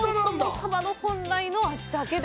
サバの本来の味だけで。